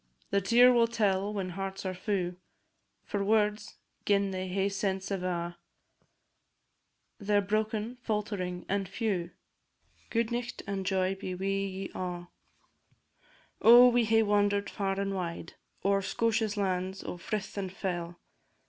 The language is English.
The tear will tell when hearts are fu', For words, gin they hae sense ava, They 're broken, faltering, and few: Gude nicht, and joy be wi' you a'! Oh, we hae wander'd far and wide, O'er Scotia's lands o' frith and fell!